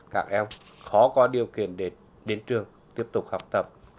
các em khó có điều kiện để đến trường tiếp tục học tập